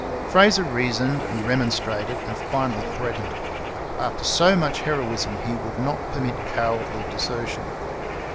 Fraser reasoned and remonstrated, and finally threatened. After so much heroism he would not permit cowardly desertion.